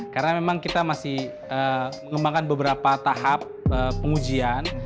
karena memang kita masih mengembangkan beberapa tahap pengujian